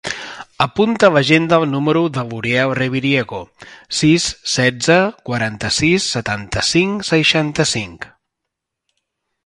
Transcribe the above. Apunta a l'agenda el número de l'Uriel Reviriego: sis, setze, quaranta-sis, setanta-cinc, seixanta-cinc.